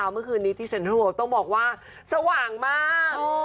เมื่อคืนนี้ที่เซ็นเทิลต้องบอกว่าสว่างมาก